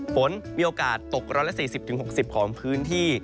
ฝนมีโอกาสตก๑๔๐๖๐ของพื้นที่